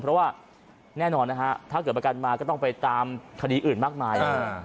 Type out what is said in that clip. เพราะว่าแน่นอนนะฮะถ้าเกิดประกันมาก็ต้องไปตามคดีอื่นมากมาย